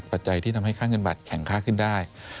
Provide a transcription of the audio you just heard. ปัจจัยที่ทำให้ค่าเงินบัตรแข็งค่าขึ้นได้